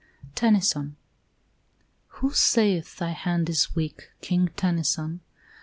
TENNYSON Who saith thy hand is weak, King Tennyson?